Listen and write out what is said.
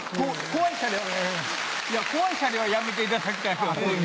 怖いシャレはやめていただきたい。